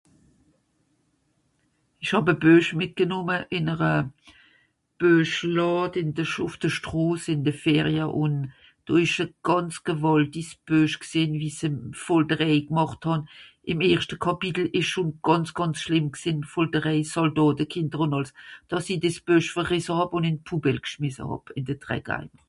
Ìch hàb e Buech mìtgenùmme ìn'ere Buechlàde ìn de Schù... ùff de Stros ìn de Ferie ùn... do ìsch gànz gewàltisch Buech gsìnn, wie se voll Dreck gmàcht hàn. Ìm erschte Kàpitel ìsch schùn gànz gànz schlìmm gsìnn, voll (...) Do de Kìnder ùn àlles, dàss i dìs Buech verrìsse hàb ùn ìn d'Poubelle gschmìsse hàb ìn de (...).